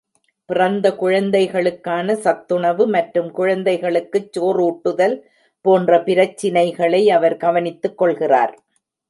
பிறந்த குழந்தைகளுக்கான சத்துணவு மற்றும் குழந்தைகளுக்குச் சோறூட்டுதல் போன்ற பிரச்சினைகளை அவர் கவனித்துக் கொள்கிறார்.